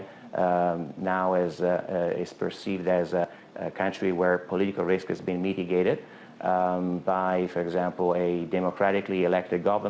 kami menganggap indonesia sebagai negara di mana risiko politik telah dimitigasi oleh pemerintah yang terpilih